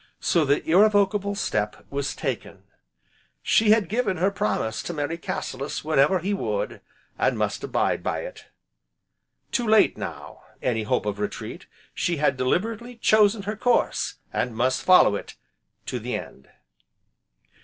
So the irrevocable step was taken! She had given her promise to marry Cassilis whenever he would, and must abide by it! Too late now, any hope of retreat, she had deliberately chosen her course, and must follow it to the end.